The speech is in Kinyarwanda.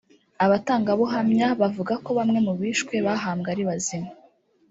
Abatangabuhamya bavuga ko bamwe bishwe bahambwe ari bazima